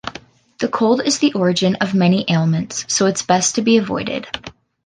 The cold is the origin of many ailments, so it’s best to be avoided.